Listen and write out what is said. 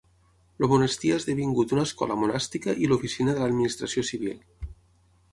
El monestir ha esdevingut una escola monàstica i l'oficina de l'administració civil.